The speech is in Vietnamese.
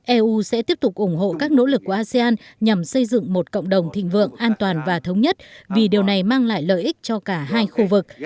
eu sẽ tiếp tục ủng hộ các nỗ lực của asean nhằm xây dựng một cộng đồng thịnh vượng an toàn và thống nhất vì điều này mang lại lợi ích cho cả hai khu vực